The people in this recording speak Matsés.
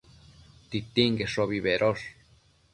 Titinqueshobi bedosh